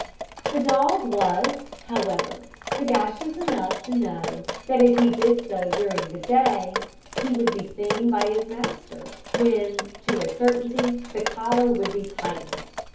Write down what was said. The dog was, however, sagacious enough to know that if he did so during the day he would be seen by his master, when to a certainty the collar would be tightened.